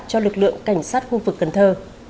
cho lực lượng cảnh sát khu vực cần thơ